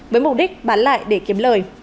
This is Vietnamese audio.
với mục đích bán lại để kiếm lời